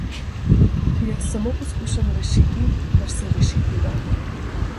Jaz samo poizkušam rešiti kar se še rešiti da.